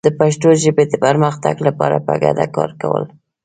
د پښتو ژبې د پرمختګ لپاره په ګډه کار کول